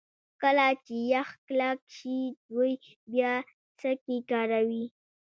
کله چې یخ کلک شي دوی بیا سکي کاروي